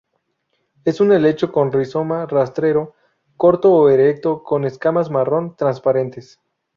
Es un helecho con rizoma rastrero corto o erecto, con escamas marrón, transparentes.